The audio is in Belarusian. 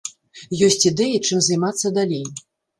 Ёсць ідэі, чым займацца далей.